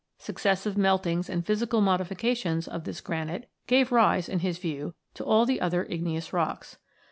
Successive meltings and physical modifications of this granite gave rise, in his view, to all the other igneous rocks.